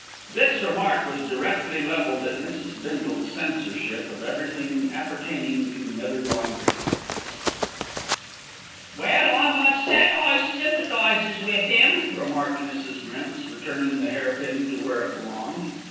This remark was directly levelled at Mrs. Bindle's censorship of everything appertaining to nether laundry. "Well, I must say I sympathises with 'im," remarked Mrs. Grimps, returning the hair pin to where it belonged.